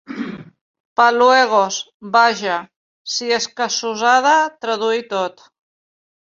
Paluegos, vaja, si és que s'us ha de traduir tot!